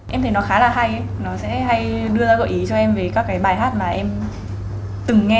em thấy nó khá là hay nó sẽ hay đưa ra gợi ý cho em về các cái bài hát mà em từng nghe